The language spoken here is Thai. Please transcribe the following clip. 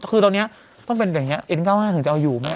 คือตอนเนี้ยต้องเป็นแบบเนี้ยเอ็นเก้าห้าถึงจะเอาอยู่ไหม